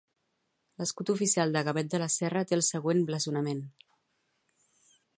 L'escut oficial de Gavet de la Serra té el següent blasonament.